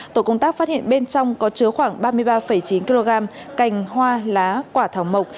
tổ công tác phát hiện bên trong có chứa khoảng ba mươi ba chín kg cành hoa lá quả thảo mộc